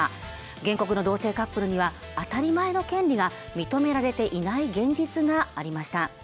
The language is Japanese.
原告の同性カップルには当たり前の権利が認められていない現実がありました。